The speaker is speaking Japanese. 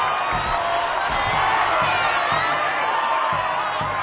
・頑張れ！